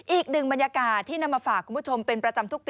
อีกหนึ่งบรรยากาศที่นำมาฝากคุณผู้ชมเป็นประจำทุกปี